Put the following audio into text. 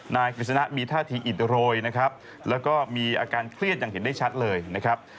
กฤษณะมีท่าทีอิดโรยนะครับแล้วก็มีอาการเครียดอย่างเห็นได้ชัดเลยนะครับ